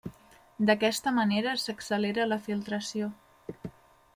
D'aquesta manera s'accelera la filtració.